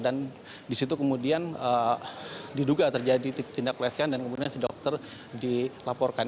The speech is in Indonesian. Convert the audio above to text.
dan disitu kemudian diduga terjadi tindak pelacian dan kemudian si dokter dilaporkan